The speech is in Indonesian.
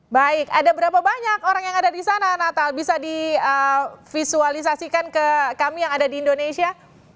baik ada berapa banyak orang yang ada di sana natal bisa divisualisasikan ke kami yang ada di indonesia